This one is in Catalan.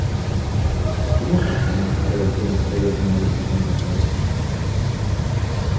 Com ho faig per anar al carrer de Finestrelles número seixanta-set?